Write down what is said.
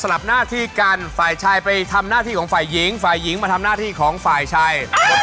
แสดงความรู้ใจคว้าไปก่อนหนึ่งหัวใจ